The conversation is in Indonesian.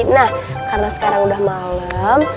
nah karena sekarang udah malam